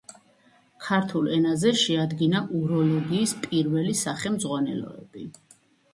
ქართულ ენაზე შეადგინა უროლოგიის პირველი სახელმძღვანელოები.